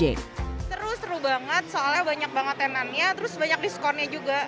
seru seru banget soalnya banyak banget tenannya terus banyak diskonnya juga